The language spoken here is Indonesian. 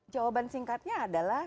jawaban singkatnya adalah